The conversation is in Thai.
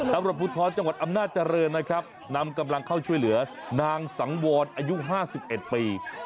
สำหรับพุทธธรรมดาจังหวัดอำนาจริงนะครับนำกำลังเข้าช่วยเหลือนางสังวรอายุห้าสิบเอ็ดปี